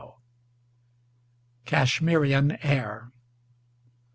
(CASHMERIAN AIR.)